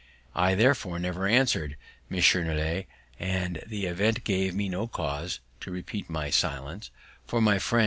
I therefore never answered M. Nollet, and the event gave me no cause to repent my silence; for my friend M.